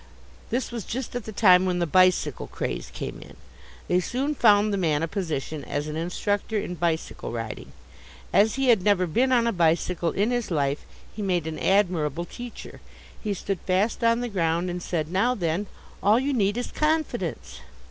This was just at the time when the bicycle craze came in. They soon found the man a position as an instructor in bicycle riding. As he had never been on a bicycle in his life, he made an admirable teacher. He stood fast on the ground and said, "Now then, all you need is confidence."